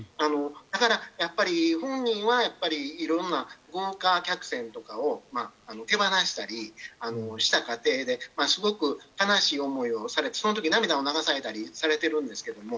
だから、やっぱり本人はいろんな豪華客船とかを手放したりした過程で、悲しい思いをされて、その時涙を流されたりしているんですけれども、